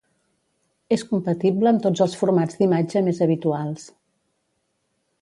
És compatible amb tots els formats d'imatge més habituals.